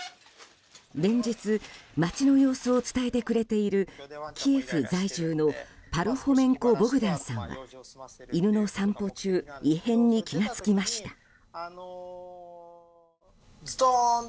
連日、街の様子を伝えてくれているキエフ在住のパルホメンコ・ボグダンさんは犬の散歩中異変に気が付きました。